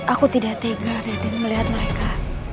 aku tidak tega radit melihat mereka